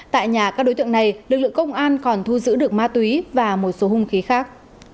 tại nhà các đối tượng này lực lượng công an còn thu giữ được ma túy và một số hung khí khác